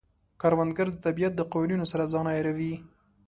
کروندګر د طبیعت د قوانینو سره ځان عیاروي